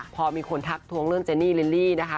พอมีคนทักทวงเรื่องเจนี่ลิลลี่นะคะ